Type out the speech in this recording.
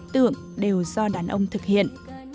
tượng đều do đàn ông thực hiện